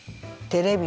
テレビ。